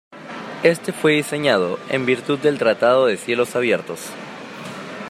Este fue diseñado en virtud del 'Tratado de Cielos Abiertos'.